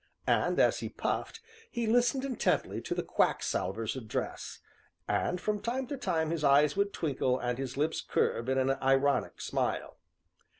And as he puffed, he listened intently to the quack salver's address, and from time to time his eyes would twinkle and his lips curve in an ironic smile.